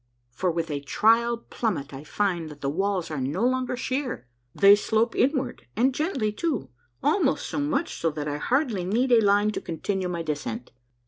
for with a trial plummet I find that the walls are no longer sheer ; they slope inward, and gently too, almost so much so that I hardly need a line to continue my descent.